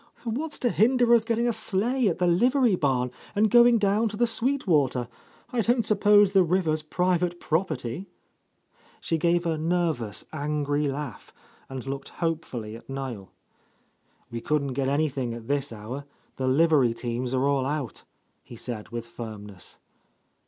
"What's to hinder us from getting a sleigh at the livery barn and going down to the Sweet Water? I don't suppose the river's private property?" She gave a nervous, angry laugh and looked hopefully at Niel. "We couldn't get anything at this hour. The livery teams are all out," he said with firmness.